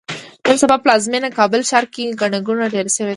نن سبا پلازمېینه کابل ښار کې ګڼه ګوڼه ډېره شوې ده.